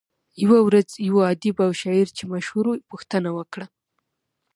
يوه ورځ يو ادیب او شاعر چې مشهور وو پوښتنه وکړه.